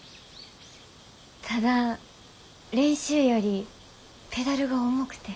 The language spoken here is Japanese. ただ練習よりペダルが重くて。